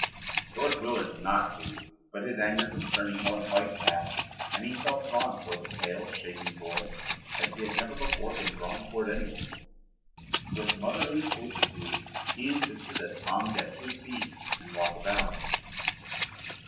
George Willard did not see, but his anger concerning Helen White passed and he felt drawn toward the pale, shaken boy as he had never before been drawn toward anyone. With motherly solicitude, he insisted that Tom get to his feet and walk about.